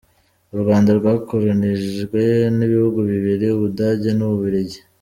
U Rwanda rwakoronijwe n’ibihugu bibiri: Ubudage n’Ububirigi.